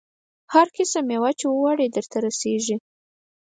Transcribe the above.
هر قسم مېوه چې وغواړې درته رسېږي.